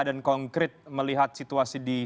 dan konkret melihat situasi di